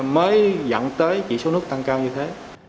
mới dẫn tới chỉ số nước tăng cao như thế